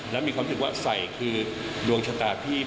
แล้วมีความรู้สึกว่าใส่คือดวงชะตาที่